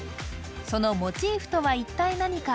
そのモチーフとは一体何か？